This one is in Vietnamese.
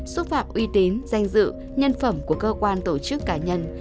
xúc phạm uy tín danh dự nhân phẩm của cơ quan tổ chức cá nhân